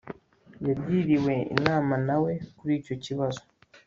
Yagiriwe inama na we kuri icyo kibazo